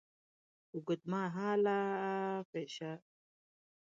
اوږدمهاله فشار رواني او فزیکي روغتیا ته زیان رسوي.